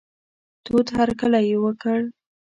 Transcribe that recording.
تود هرکلی یې وکړ.